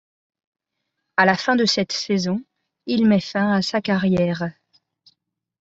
À la fin de cette saison, il met fin à sa carrière.